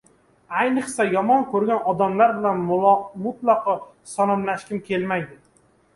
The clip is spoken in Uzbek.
Ayniqsa… yomon ko‘rgan odamlar bilan mutlaqo salomlashgim kelmaydi.